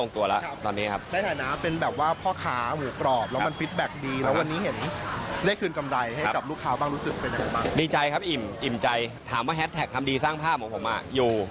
ถามว่าท่าว่าทำดีสร้างภาพอยู่